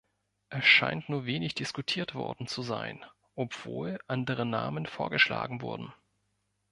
Es scheint nur wenig diskutiert worden zu sein, obwohl andere Namen vorgeschlagen wurden.